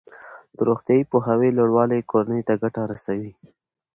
د روغتیايي پوهاوي لوړوالی کورنۍ ته ګټه رسوي.